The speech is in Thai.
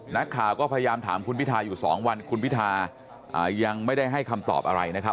นักข่าวก็พยายามถามคุณพิทาอยู่๒วันคุณพิทายังไม่ได้ให้คำตอบอะไรนะครับ